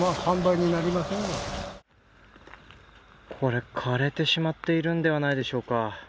これ、枯れてしまっているのではないでしょうか。